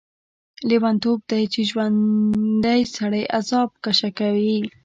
لیونتوب دی چې ژوندی سړی عذاب کشه کوي.